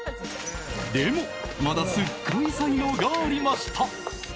でも、まだすごい才能がありました。